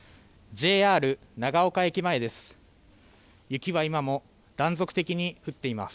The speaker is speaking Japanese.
ＪＲ長岡駅前です。